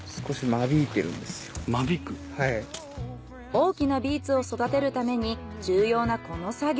大きなビーツを育てるために重要なこの作業。